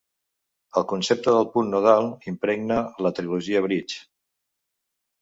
El concepte del punt nodal impregna la trilogia Bridge.